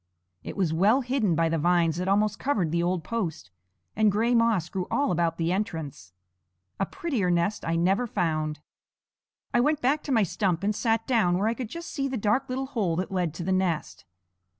It was well hidden by the vines that almost covered the old post, and gray moss grew all about the entrance. A prettier nest I never found. I went back to my stump and sat down where I could just see the dark little hole that led to the nest.